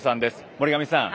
森上さん